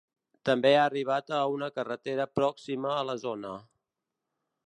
També ha arribat a una carretera pròxima a la zona.